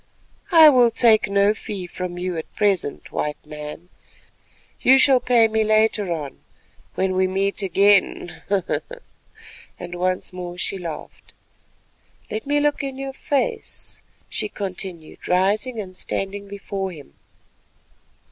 I will take no fee from you at present, White Man; you shall pay me later on when we meet again," and once more she laughed. "Let me look in your face, let me look in your face," she continued, rising and standing before him.